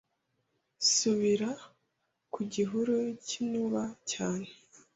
Subira ku gihuru cyinuba cyane